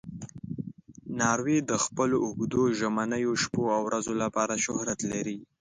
ناروی د خپلو اوږدو ژمنیو شپو او ورځو لپاره شهرت لري.